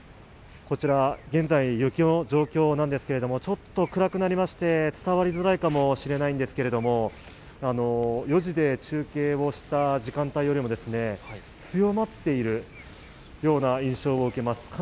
こちら現在、雪の状況ですけれどもちょっと暗くなりまして、伝わりづらいかもしれないんですけど４時で中継をした時間帯よりも、強まっているような印象を受けます。